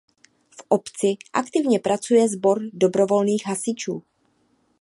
V obci aktivně pracuje Sbor dobrovolných hasičů.